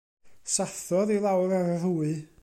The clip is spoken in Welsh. Sathrodd i lawr ar yr wy.